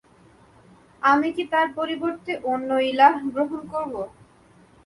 আমি কি তার পরিবর্তে অন্য ইলাহ্ গ্রহণ করব?